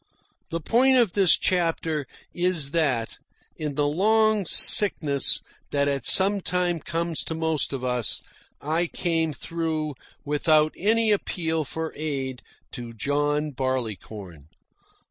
The point of this chapter is that, in the long sickness that at some time comes to most of us, I came through without any appeal for aid to John Barleycorn.